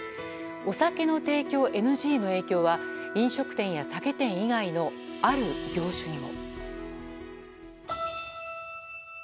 お酒の提供ＮＧの影響は飲食店や酒店以外のある業種にも。